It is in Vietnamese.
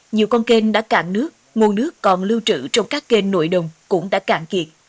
nhiều con kênh đã cạn nước nguồn nước còn lưu trữ trong các kênh nội đồng cũng đã cạn kiệt